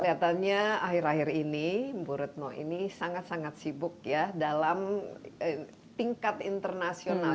kelihatannya akhir akhir ini bu retno ini sangat sangat sibuk ya dalam tingkat internasional